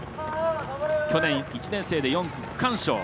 去年１年生で４区、区間賞。